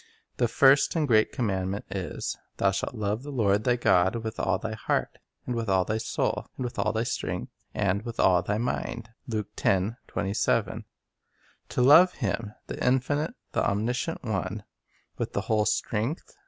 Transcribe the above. The first and great commandment is, " Thou shalt love the Lord thy God with all thy heart, and with all thy soul, and with all thy strength, and with all thy mind." 1 To love Him, the infinite, the omniscient One, with the whole strength